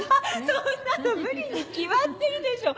そんなの無理に決まってるでしょ。